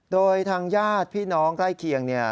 โดยทางญาติพี่น้องใกล้เคียงเนี่ย